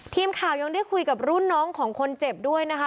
ทีมข่าวยังได้คุยกับรุ่นน้องของคนเจ็บด้วยนะคะ